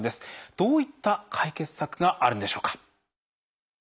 どういった解決策があるんでしょうか。